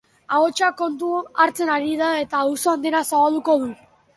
Atsoa kontu hartzen ari da eta auzoan dena zabalduko du.